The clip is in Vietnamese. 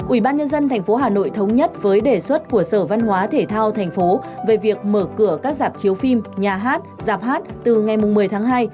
ubnd tp hà nội thống nhất với đề xuất của sở văn hóa thể thao tp về việc mở cửa các giảp chiếu phim nhà hát giảp hát từ ngày một mươi tháng hai